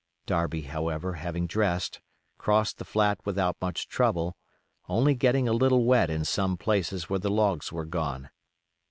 Darby, however, having dressed, crossed the flat without much trouble, only getting a little wet in some places where the logs were gone.